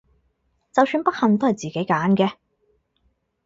就算不幸都係自己揀嘅！